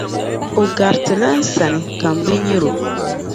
o garitila n sani, ka m bi nyari o.